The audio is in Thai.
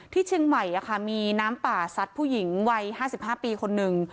ที่เชียงใหม่มีน้ำป่าซัดผู้หญิงวัย๕๕ปีคนหนึ่ง